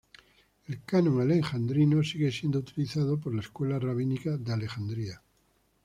El Canon Alejandrino sigue siendo utilizado por la escuela rabínica de Alejandría.